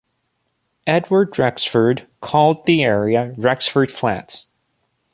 Edward Rexford called the area Rexford Flats.